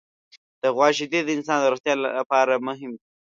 د غوا شیدې د انسان د روغتیا لپاره مهمې دي.